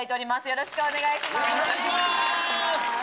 よろしくお願いします。